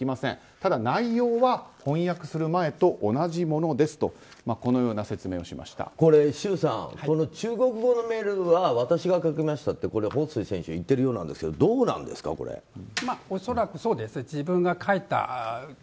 ただ、内容は翻訳する前と同じものですと周さん、中国語のメールは私が書きましたってホウ・スイ選手が言っているようなんですが恐らくそうですね。